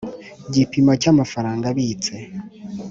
gipimo cy amafaranga abitse